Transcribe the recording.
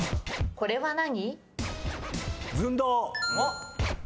これは何？